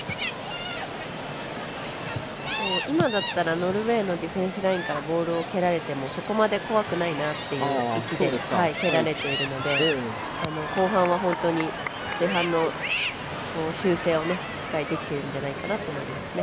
今だったら、ノルウェーディフェンスラインからボールを蹴られてもそこまで怖くないなという位置で蹴られているので、後半は本当に前半の修正を、しっかりできてるんじゃないかなと思いますね。